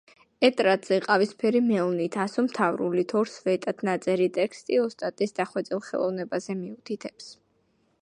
ეტრატზე ყავისფერი მელნით, ასომთავრულით ორ სვეტად ნაწერი ტექსტი ოსტატის დახვეწილ ხელოვნებაზე მიუთითებს.